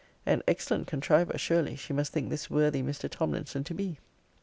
An excellent contriver, surely, she must think this worthy Mr. Tomlinson to be!